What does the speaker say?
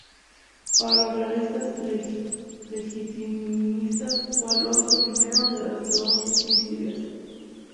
Para los realistas legitimistas fue Alfonso I de las Dos Sicilias.